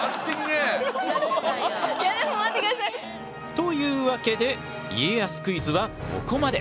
というわけで家康クイズはここまで。